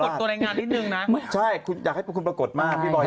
อาจจะปรากฏในงานนิดนึง